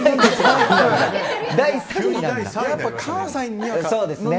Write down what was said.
やっぱり関西には。